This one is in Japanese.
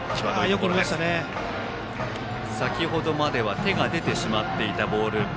先程までは手が出てしまっていたボール。